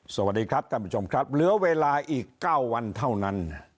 สวัสดีครับท่านผู้ชมครับเหลือเวลาอีก๙วันเท่านั้น